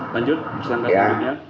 lanjut tersangka kedua